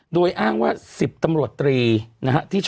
โดยอ้างว่า๑๐ตำรวจตรีนะฮะ